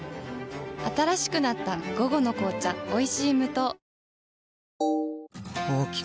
新しくなった「午後の紅茶おいしい無糖」